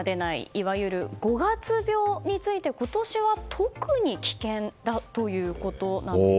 いわゆる五月病について今年は特に危険だということなんです。